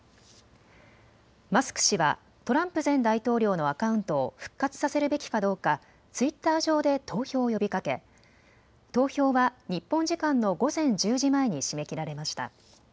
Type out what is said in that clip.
マスク氏はトランプ前大統領のアカウントを復活させるべきかどうかツイッター上で投票を呼びかけ、投票は日本時間の午前１０時前に締め切られました。